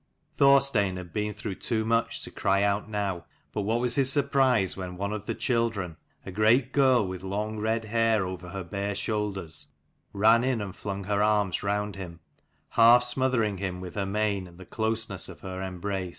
Thorstein had been through too much to cry out now: but what was his surprise when one of the children, a great girl with long red hair over her bare shoulders, ran in and flung her arms round him, half smothering him with her mane and the closeness of her embrace.